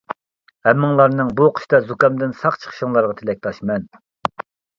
ھەممىڭلارنىڭ بۇ قىشتا زۇكامدىن ساق چىقىشىڭلارغا تىلەكداشمەن!